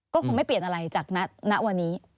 ก็คงไม่เปลี่ยนอะไรจากณวันนี้